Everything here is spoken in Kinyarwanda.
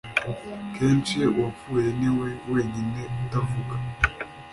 kenshi, «uwapfuye ni we wenyine utavuga».